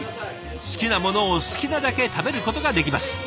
好きなものを好きなだけ食べることができます。